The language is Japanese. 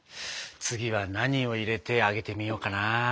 次は何を入れて揚げてみようかな。